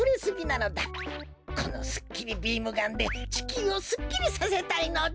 このすっきりビームガンでちきゅうをすっきりさせたいのだ！